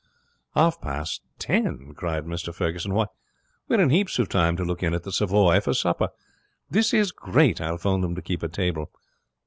'Half past ten!' cried Mr Ferguson. 'Why, we're in heaps of time to look in at the Savoy for supper. This is great. I'll phone them to keep a table.'